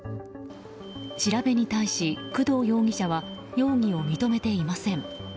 調べに対し工藤容疑者は容疑を認めていません。